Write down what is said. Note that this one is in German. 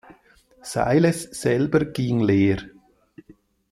Sayles selber ging leer.